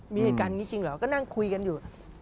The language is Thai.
มีเหตุการณ์นี้จริงเหรอก็นั่งคุยกันอยู่